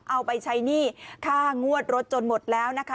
เอาไปใช้หนี้ค่างวดรถจนหมดแล้วนะคะ